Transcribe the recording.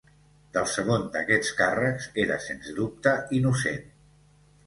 Del segon d'aquests càrrecs, era sens dubte innocent.